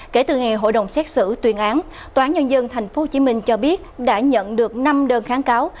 kể từ ngày hội đồng xét xử tuyên án tòa án nhân dân tp hcm cho biết đã nhận được năm đơn kháng cáo